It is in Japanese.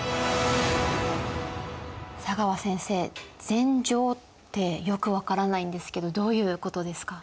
佐川先生禅譲ってよく分からないんですけどどういうことですか？